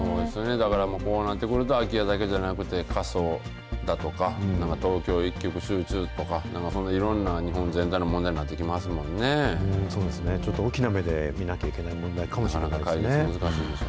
だからこうなってくると、空き家だけじゃなくて、過疎だとか、なんか東京一極集中とか、なんかそんないろんな日本全体の問題になってきますもそうですね、ちょっと大きな目で見なきゃいけない問題かもしれないですね。